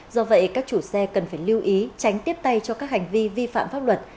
do vậy các chủ xe cần phải lưu ý tránh tiếp tay cho các hành vi vi phạm pháp luật